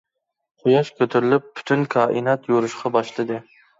قۇياش كۆتۈرۈلۈپ پۈتۈن كائىنات يورۇشقا باشلىدى.